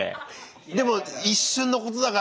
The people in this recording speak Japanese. でも一瞬のことだから